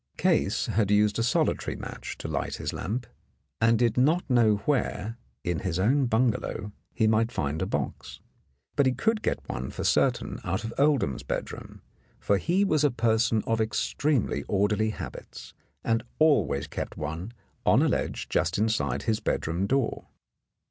Case had used a solitary match to light his lamp, and did not know where, in his own bungalow, he might find a box. But he could get one for certain out of Oldham's bedroom, for he was a person of extremely orderly habits, and always kept one on a ledge just inside his bedroom door.